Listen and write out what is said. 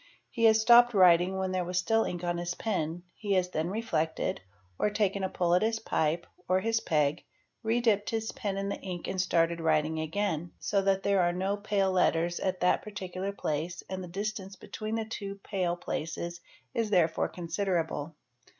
He has stopped writing when there was still ink on his pen, he has then reflected, or taken a pull at his pipe or his peg, re dipped his pen in the ink and started writing again, so that there are no pale letters at that particular place and the distance between the two pale places is therefore considerable.